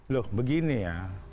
loh begini ya